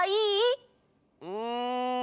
うん。